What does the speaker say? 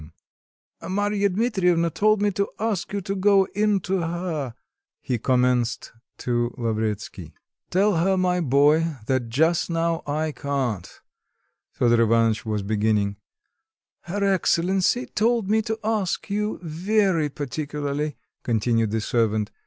"Marya Dmitrievna told me to ask you to go in to her," he commenced to Lavretsky. "Tell her, my boy, that just now I can't " Fedor Ivanitch was beginning. "Her excellency told me to ask you very particularly," continued the servant.